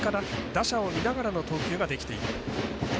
打者を見ながらの投球ができている。